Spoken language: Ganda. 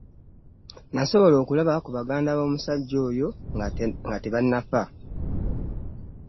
Nasobola okulaba ku baganda bomusajja oyo nga tebanafa.